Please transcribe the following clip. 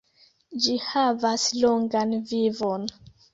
Ĝi havas longan vivon.